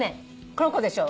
この子でしょ。